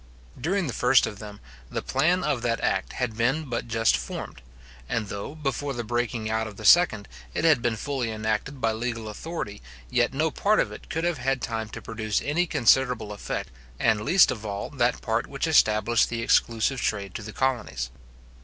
During the first of them, the plan of that act had been but just formed; and though, before the breaking out of the second, it had been fully enacted by legal authority, yet no part of it could have had time to produce any considerable effect, and least of all that part which established the exclusive trade to the colonies.